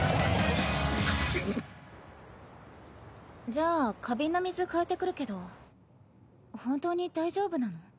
じゃあ花瓶の水換えてくるけど本当に大丈夫なの？